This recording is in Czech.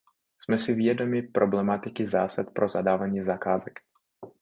Jsme si vědomi problematiky zásad pro zadávání zakázek.